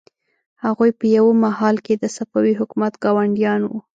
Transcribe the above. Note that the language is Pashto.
هغوی په یوه مهال کې د صفوي حکومت ګاونډیان وو.